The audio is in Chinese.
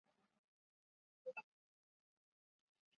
其中要特别指出的是乃蛮的国师畏兀儿人塔塔统阿。